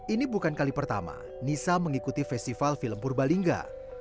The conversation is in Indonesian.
ini bukan kali pertama nisa mengikuti festival film purbalingga